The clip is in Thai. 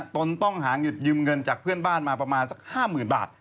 ตนต้องหาเงินยืมเงินจากเพื่อนบ้านมาประมาณสัก๕๐๐๐บาท